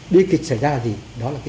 đó chính là thời cơ